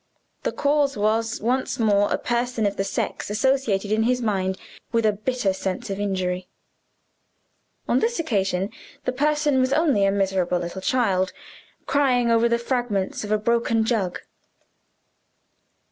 The cause was once more a person of the sex associated in his mind with a bitter sense of injury. On this occasion the person was only a miserable little child, crying over the fragments of a broken jug.